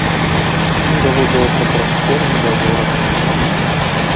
Ім даводзілася праз церні да зорак ісці.